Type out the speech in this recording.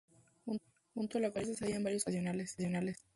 Junto a la costa se hallan varios complejos vacacionales.